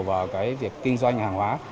vào cái việc kinh doanh hàng hóa